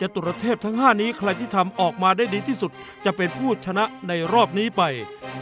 ตุรเทพทั้ง๕นี้ใครที่ทำออกมาได้ดีที่สุดจะเป็นผู้ชนะในรอบนี้ไป